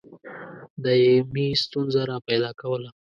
دایمي ستونزه را پیدا کوله.